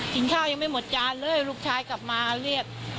ข้าวยังไม่หมดจานเลยลูกชายกลับมาเรียก